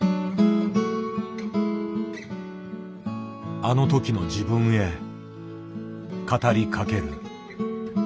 あのときの自分へ語りかける。